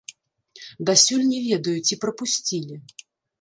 Дасюль не ведаю, ці прапусцілі.